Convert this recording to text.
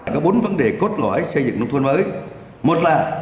có bốn vấn đề cốt lõi xây dựng nông thôn mới một là